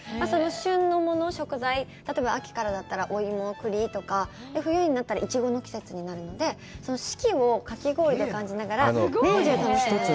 旬のもの、食材、例えば秋からだったらお芋、クリとか、冬になったら、イチゴの季節になるので、四季をかき氷で感じながら、年中楽しめます。